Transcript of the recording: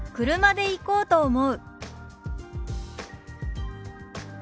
「車で行こうと思う」。